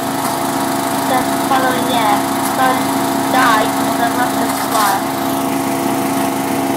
The following year, John died as a Franciscan friar.